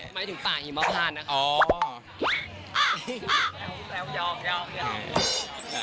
หมายถึงต่างหยุดเบาะป้านนะ